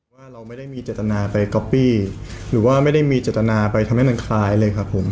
ว่าเราไม่ได้มีเจตนาไปก๊อปปี้หรือว่าไม่ได้มีเจตนาไปทำให้มันคล้ายเลยครับผม